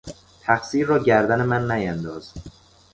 تقصیر را گردن من نینداز!